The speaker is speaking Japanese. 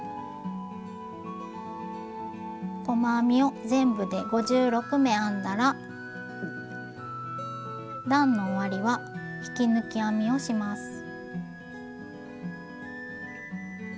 細編みを全部で５６目編んだら段の終わりは引き抜き編みをします。